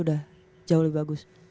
udah jauh lebih bagus